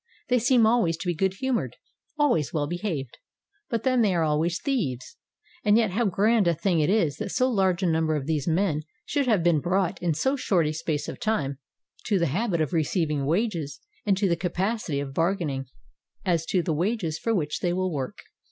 They seem always to be good humored, always well behaved, — but then they are always thieves. And yet how grand a thing it is that so large a number of these men should have been brought in so short a space of time to the habit of receiving wages and to the capacity of bargain ing as to the wages for which they will work.